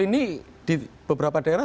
ini di beberapa daerah